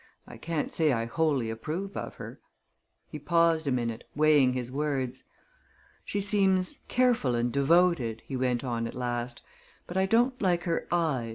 I can't say I wholly approve of her." He paused a minute, weighing his words. "She seems careful and devoted," he went on, at last, "but I don't like her eyes.